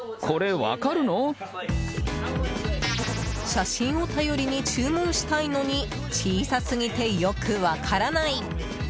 写真を頼りに注文したいのに小さすぎて、よく分からない！